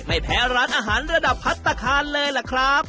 ไม่แพ้ร้านอาหารระดับพัฒนาคารเลยล่ะครับ